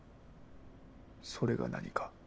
それが何か？